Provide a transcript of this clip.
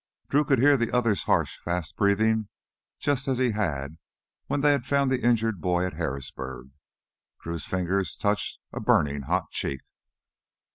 Drew could hear the other's harsh, fast breathing just as he had when they had found the injured boy at Harrisburg. Drew's fingers touched a burning hot cheek.